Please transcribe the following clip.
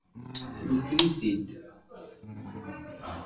Yuker-it-id.